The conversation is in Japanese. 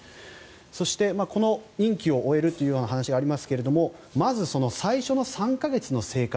そして、この任期を終えるという話がありますがまず最初の３か月の生活